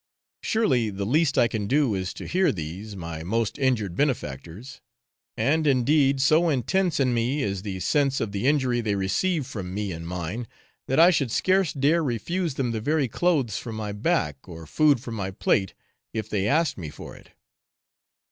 Surely the least I can do is to hear these, my most injured benefactors; and, indeed, so intense in me is the sense of the injury they receive from me and mine, that I should scarce dare refuse them the very clothes from my back, or food from my plate, if they asked me for it.